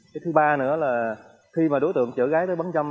cái thứ ba nữa là khi mà đối tượng chở gái tới bán dâm